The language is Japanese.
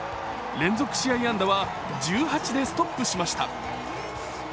連続試合安打は１８でストップしました。